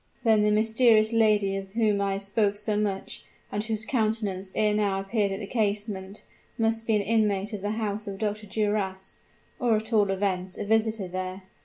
"Then the mysterious lady of whom I have spoken so much, and whose countenance ere now appeared at the casement, must be an inmate of the house of Dr. Duras; or at all events, a visitor there!